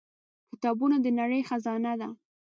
• کتابونه د نړۍ خزانه ده.